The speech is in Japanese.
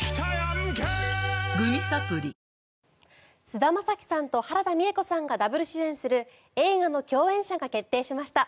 菅田将暉さんと原田美枝子さんがダブル主演する映画の共演者が決定しました。